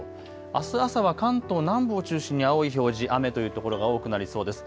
あす朝は関東南部を中心に青い表示、雨という所が多くなりそうです。